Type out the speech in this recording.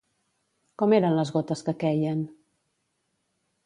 Com eren les gotes que queien?